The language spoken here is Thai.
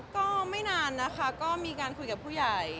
ก็ไม่นานนะคะก็มีการคุยกับผู้ใหญ่